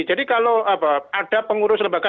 jadi kalau ada pengurus lembaga